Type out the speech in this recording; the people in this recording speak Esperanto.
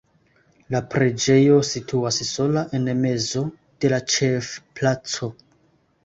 La preĝejo situas sola en mezo de la ĉefplaco.